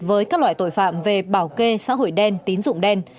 với các loại tội phạm về bảo kê xã hội đen tín dụng đen